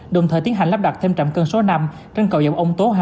đồng thời tiến hành lắp đặt thêm trạm cân số năm trên cầu dậu ông tố hai